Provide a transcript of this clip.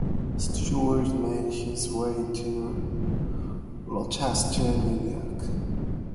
Steward made his way to Rochester, New York.